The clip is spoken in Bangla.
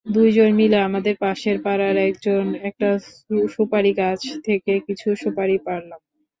দুইজন মিলে আমাদের পাশের পাড়ার একজনের একটা সুপারিগাছ থেকে কিছু সুপারি পাড়লাম।